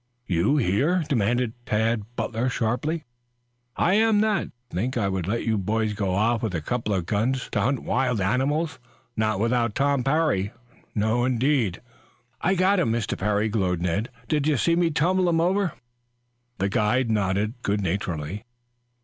"You here?" demanded Tad Butler sharply. "I am that. Think I could let you boys go off with a couple of guns to hunt wild animals? Not without Tom Parry no, indeed!" "I got him, Mr. Parry," glowed Ned. "Did you see me tumble him over?" The guide nodded good naturedly.